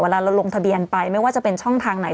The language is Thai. เราลงทะเบียนไปไม่ว่าจะเป็นช่องทางไหน